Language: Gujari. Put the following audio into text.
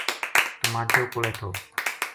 تماچو کولے تھو۔